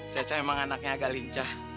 saya emang anaknya agak lincah